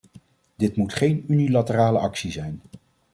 Dit moet geen unilaterale actie zijn.